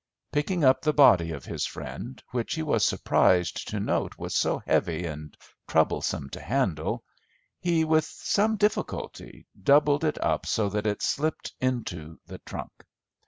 Picking up the body of his friend, which he was surprised to note was so heavy and troublesome to handle, he with some difficulty doubled it up so that it slipped into the trunk.